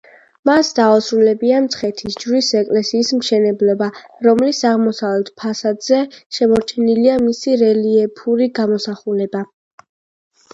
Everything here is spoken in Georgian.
მას დაუსრულებია მცხეთის ჯვრის ეკლესიის მშენებლობა, რომლის აღმოსავლეთ ფასადზე შემორჩენილია მისი რელიეფური გამოსახულება.